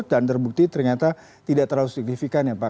dan terbukti ternyata tidak terlalu signifikan ya pak